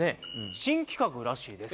新企画らしいです